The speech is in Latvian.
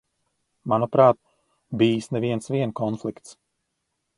Manuprāt, bijis ne viens vien konflikts.